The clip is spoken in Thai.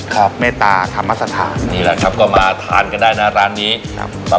เมตตาธรรมสถานนี่แหละครับก็มาทานกันได้นะร้านนี้ครับ